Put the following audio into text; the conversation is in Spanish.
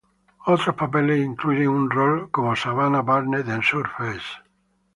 Otros papeles incluyen un rol como Savannah Barnett en "Surface".